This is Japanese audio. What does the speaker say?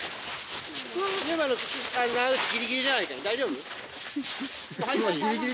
大丈夫？